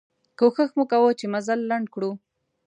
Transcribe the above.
کوښښ مو کوه چې مزل لنډ کړو.